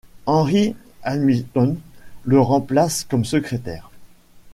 Henry Hamilton le remplace comme secrétaire.